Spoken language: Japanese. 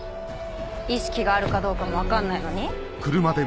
意識があるかどうかも分かんないのに？